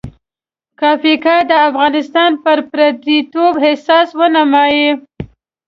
کافکا د انسان د پردیتوب احساس ونمایي.